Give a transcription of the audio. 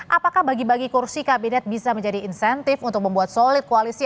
apakah bagi bagi kursi kabinet bisa menjadi insentif untuk membuat solid koalisi